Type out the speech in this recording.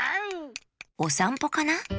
おさんぽかな？